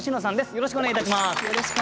よろしくお願いします。